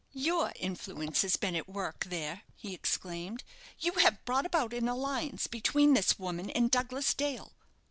"Your influence has been at work there," he exclaimed. "You have brought about an alliance between this woman and Douglas Dale."